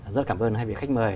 rất là cảm ơn hai vị khách mời